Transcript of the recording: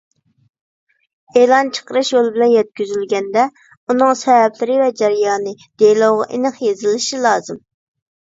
ئېلان چىقىرىش يولى بىلەن يەتكۈزۈلگەندە، ئۇنىڭ سەۋەبلىرى ۋە جەريانى دېلوغا ئېنىق يېزىلىشى لازىم.